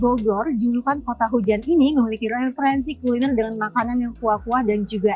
bogor julukan kota hujan ini memiliki referensi kuliner dengan makanan yang kuah kuah dan juga